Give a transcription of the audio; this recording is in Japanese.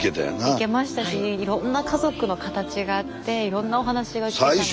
いけましたしいろんな家族の形があっていろんなお話が聞けたので。